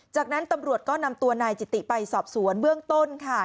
จากนั้นตำรวจก็นำตัวนายจิติไปสอบสวนเบื้องต้นค่ะ